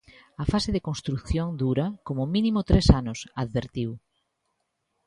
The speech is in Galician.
A fase de construción dura, como mínimo tres anos, advertiu.